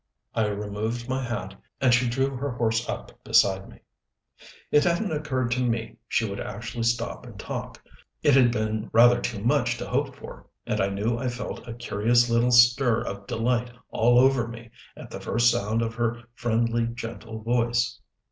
I removed my hat, and she drew her horse up beside me. It hadn't occurred to me she would actually stop and talk. It had been rather too much to hope for. And I knew I felt a curious little stir of delight all over me at the first sound of her friendly, gentle voice.